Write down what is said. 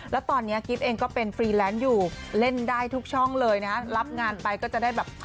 แล้วตอนนี้กิ๊บเองก็เป็นฟรีแลนซ์อยู่เล่นได้ทุกช่องเลยนะรับงานไปก็จะได้แบบ